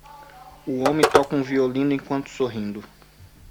Um homem toca um violino enquanto sorrindo.